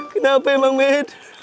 kenapa emang men